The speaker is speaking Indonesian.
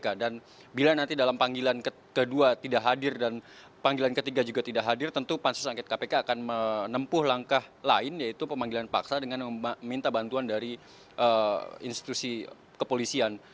kpk dan bila nanti dalam panggilan kedua tidak hadir dan panggilan ketiga juga tidak hadir tentu pansus angket kpk akan menempuh langkah lain yaitu pemanggilan paksa dengan meminta bantuan dari institusi kepolisian